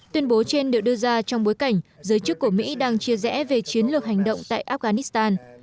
tuyên bố trên được đưa ra trong bối cảnh giới chức của mỹ đang chia rẽ về chiến lược hành động tại afghanistan